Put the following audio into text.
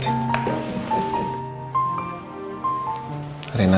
biar saya minum teh